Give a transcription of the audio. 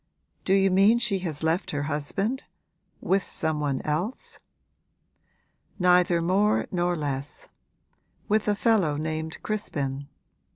'Do you mean she has left her husband with some one else?' 'Neither more nor less; with a fellow named Crispin.